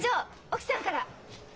奥さんから！